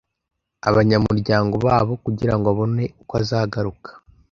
abanyamuryango babo kugirango abone uko azagaruka